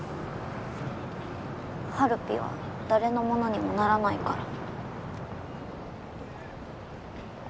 はるぴは誰のものにもならないから。